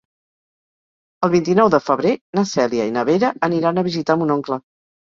El vint-i-nou de febrer na Cèlia i na Vera aniran a visitar mon oncle.